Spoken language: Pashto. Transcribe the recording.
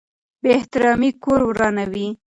بې احترامي کور ورانوي.